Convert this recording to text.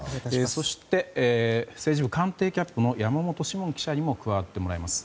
そして政治部官邸キャップの山本志門記者にも加わってもらいます。